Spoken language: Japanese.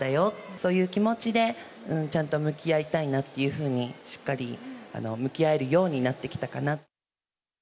そういう気持ちで、ちゃんと向き合いたいなっていうふうに、しっかり向き合えるようになってきたかな。